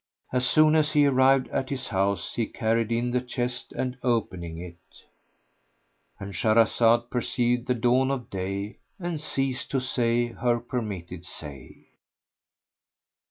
As soon as he arrived at his house he carried in the chest and opening it,—And Shahrazad perceived the dawn of day and ceased to say her permitted say.